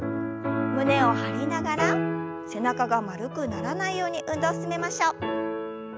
胸を張りながら背中が丸くならないように運動を進めましょう。